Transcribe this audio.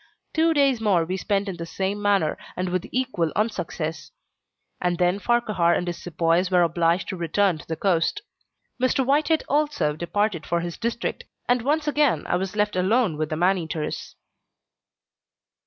Two days more were spent in the same manner, and with equal unsuccess; and then Farquhar and his sepoys were obliged to return to the coast. Mr. Whitehead also departed for his district, and once again I was left alone with the man eaters.